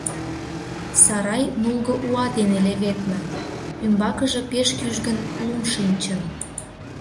Сарай нулго уа дене леведме, ӱмбакыже пеш кӱжгын лум шинчын.